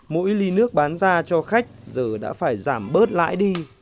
mỗi ly nước bán ra cho khách giờ đã phải giảm bớt lãi đi